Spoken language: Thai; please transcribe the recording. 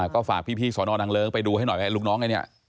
ก็ฝากพี่สอนอนังเลิ้งไปดูให้หน่อยไหมลูกน้องไอ้เนี่ย